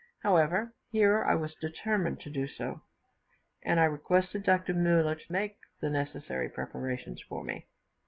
However, here I was determined to do so, and I requested Dr. Muller to make the necessary preparations for me.